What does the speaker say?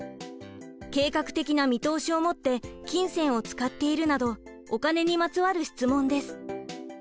「計画的な見通しを持って金銭を使っている」などお金にまつわる質問です。